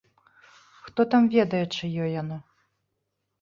Хто там ведае, чыё яно?